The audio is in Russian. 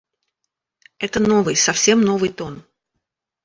Это новый, совсем новый тон.